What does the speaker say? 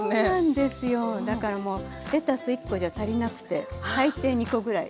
だからもうレタス１コじゃ足りなくて最低２コぐらい。